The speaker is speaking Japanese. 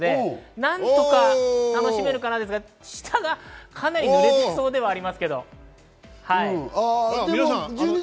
何とか楽しめるかなと思いますが、下がかなり濡れてそうではありますけど。